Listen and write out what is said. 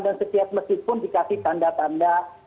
dan setiap masjid pun dikasih tanda tanda